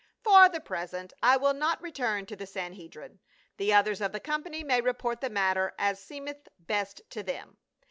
For the present I will not return to the Sanhedrim, The others of the company may report the matter as seemeth best to them."